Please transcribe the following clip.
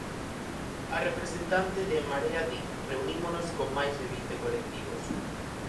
A representante de En Marea di: reunímonos con máis de vinte colectivos.